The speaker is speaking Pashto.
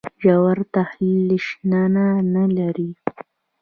ژور تحلیل شننه نه لري.